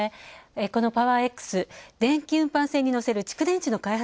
このパワーエックス、電気運搬船にのせる蓄電池の開発